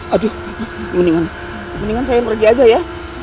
aduh mendingan saya pergi aja ya